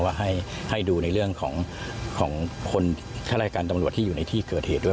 ว่าให้ดูในเรื่องของคนข้ารายการตำรวจที่อยู่ในที่เกิดเหตุด้วย